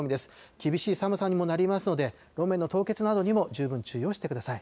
厳しい寒さにもなりますので、路面の凍結などにも十分注意をしてください。